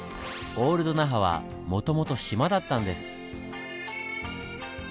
オールド那覇はもともと島だったんです。